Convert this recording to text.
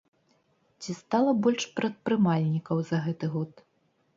Ці стала больш прадпрымальнікаў за гэты год?